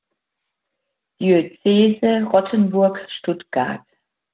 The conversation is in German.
Diözese Rottenburg-Stuttgart.